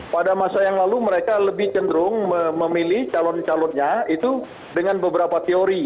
pada masa yang lalu mereka lebih cenderung memilih calon calonnya itu dengan beberapa teori